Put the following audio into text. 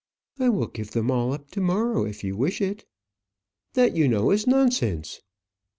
"I will give them all up to morrow if you wish it." "That you know is nonsense."